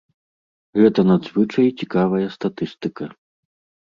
Гэта надзвычай цікавая статыстыка.